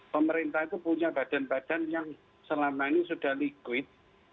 pemerintah itu punya badan badan yang selama ini sudah liquid